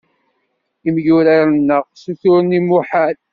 Imyurar-nneɣ ssuturen lmuḥal.